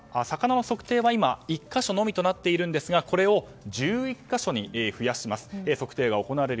魚の測定は今１か所のみとなっていますがこれを１１か所に増やします。